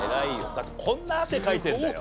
だってこんな汗かいてるんだよ。